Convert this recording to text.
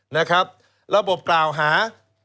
นะครับระบบกล่าวหา